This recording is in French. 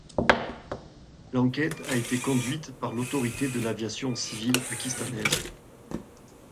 L'enquête a été conduite par l'autorité de l'aviation civile pakistanaise.